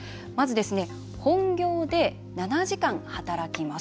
まず、本業で７時間、働きます。